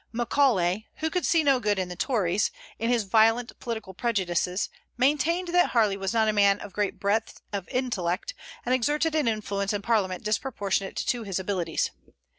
Macaulay, who could see no good in the Tories, in his violent political prejudices maintained that Harley was not a man of great breadth of intellect, and exerted an influence in Parliament disproportionate to his abilities.